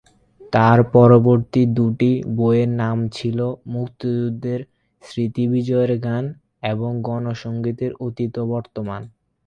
তার পরবর্তী দু'টি বইয়ের নাম ছিল "মুক্তিযুদ্ধের স্মৃতি বিজয়ের গান" এবং "গণ সংগীতের অতীত ও বর্তমান"।